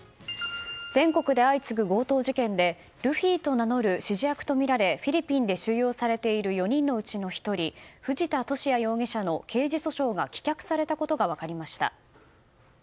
全国で相次ぐ強盗事件でルフィと名乗る指示役とみられフィリピンで収容されている４人のうちの１人藤田聖也容疑者の刑事訴訟が棄却されたことが分かりました。